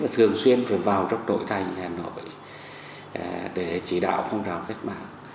thường xuyên phải vào trong nội thành hà nội để chỉ đạo phong trào cách mạng